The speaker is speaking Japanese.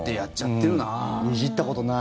いじったことない。